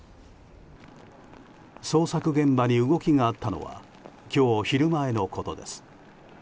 捜索現場に動きがあったのは今日昼前のことです。